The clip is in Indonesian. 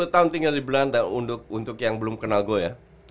sepuluh tahun tinggal di belanda untuk yang belum kenal gue ya